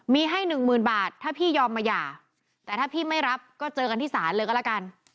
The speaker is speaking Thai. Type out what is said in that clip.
มีให้๑๐๐๐บาทถ้าพี่ยอมมาหย่าแต่ถ้าพี่ไม่รับก็เจอกันที่ศาลเลยกันละกัน